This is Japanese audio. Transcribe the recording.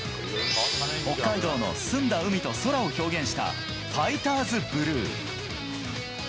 北海道の澄んだ海と空を表現したファイターズブルー。